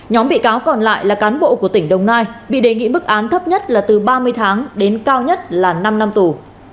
nhóm bị cáo còn lại là cán bộ của tỉnh đồng nai bị đề nghị mức án thấp nhất là từ ba mươi tháng đến cao nhất là năm năm tù